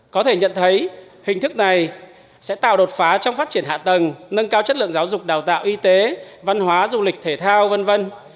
có thể nhận thấy hình thức này sẽ tạo đột phá trong phát triển hạ tầng nâng cao chất lượng giáo dục đào tạo y tế văn hóa du lịch thể thao v v